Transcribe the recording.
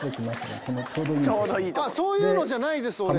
そういうのじゃないです俺。